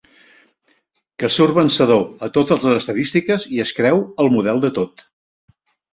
Que surt vencedor a totes les estadístiques i es creu el model de tot.